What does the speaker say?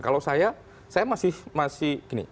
kalau saya saya masih gini